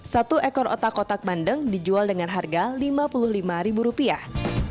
satu ekor otak otak bandeng dijual dengan harga lima puluh lima ribu rupiah